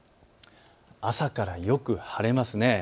朝からよく晴れます。